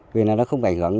vì nó không ảnh hưởng